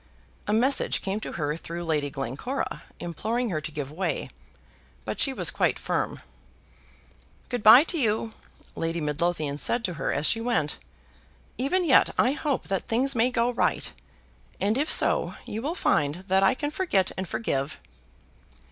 A message came to her through Lady Glencora imploring her to give way, but she was quite firm. "Good bye to you," Lady Midlothian said to her as she went. "Even yet I hope that things may go right, and if so you will find that I can forget and forgive."